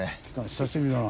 久しぶりだな。